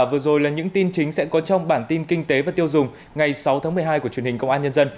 vừa rồi là những tin chính sẽ có trong bản tin kinh tế và tiêu dùng ngày sáu tháng một mươi hai của truyền hình công an nhân dân